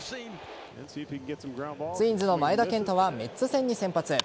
ツインズの前田健太はメッツ戦に先発。